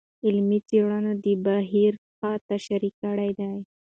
علمي څېړنو دا بهیر ښه تشریح کړی دی.